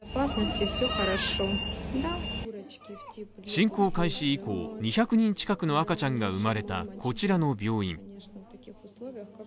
侵攻開始以降、２００人近くの赤ちゃんが生まれたこちらの病院。